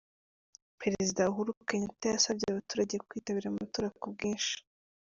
Perezida Uhuru Kenyatta yasabye abaturage kwitabira amatora ku bwinshi.